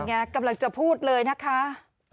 นี่อย่างนี้กำลังจะพูดเลยนะคะ